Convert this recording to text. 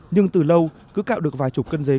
nhưng từ lâu cứ cạo được vài chục cân dấ